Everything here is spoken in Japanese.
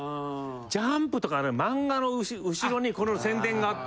『ジャンプ』とかねマンガの後ろにこの宣伝があって。